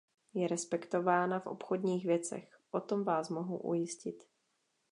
Je respektována v obchodních věcech, o tom vás mohu ujistit.